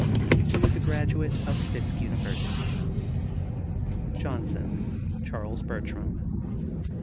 He was a graduate of Fisk University. JOHNSON, CHARLES BERTRAM.